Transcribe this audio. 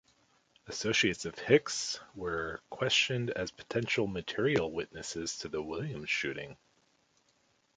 Associates of Hicks were questioned as potential material witnesses to the Williams shooting.